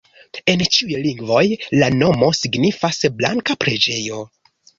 En ĉiuj lingvoj la nomo signifas: blanka preĝejo.